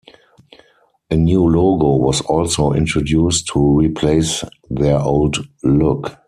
A new logo was also introduced to replace their old look.